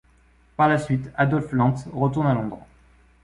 Par la suite, Adolf Lantz retourne à Londres.